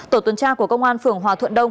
tổ tuần tra của công an phường hòa thuận đông